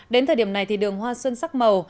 đến thời điểm này thì đường hoa xuân sắc màu